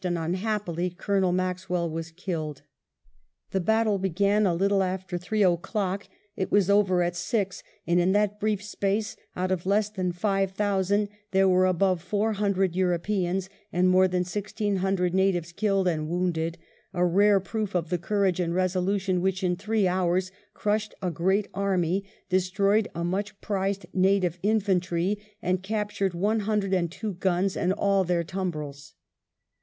and unhappily Colonel Maxwell was killed. The battle began a little after three o'clock, it was over at six ; and in that brief space, out of less than five thousand, there were above four hundred Europeans and more than sixteen hundred natives killed and wounded, — a rare proof of the courage and resolution which, in three hours, crushed a great army, destroyed a much prized native infantry, and captured one hundred and two guns and all their tumbrils.